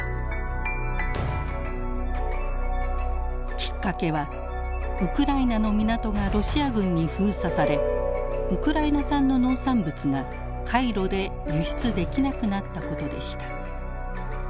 きっかけはウクライナの港がロシア軍に封鎖されウクライナ産の農産物が海路で輸出できなくなったことでした。